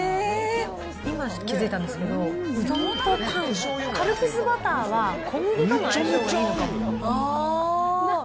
今気付いたんですけど、うどんとパン、カルピスバターは小麦とのあー！